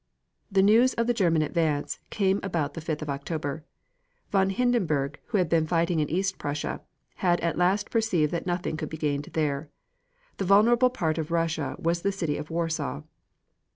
The news of the German advance came about the fifth of October. Von Hindenburg, who had been fighting in East Prussia, had at last perceived that nothing could be gained there. The vulnerable part of Russia was the city of Warsaw.